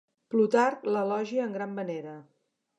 Plutarc l'elogia en gran manera.